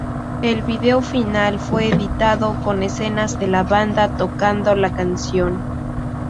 El vídeo final fue editado con escenas de la banda tocando la canción.